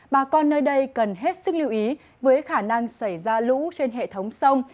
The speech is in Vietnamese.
bà con nơi đây cần hết sức lưu ý với khả năng xảy ra lũ trên hệ thống sông